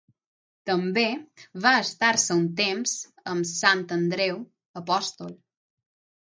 També va estar-se un temps amb Sant Andreu apòstol.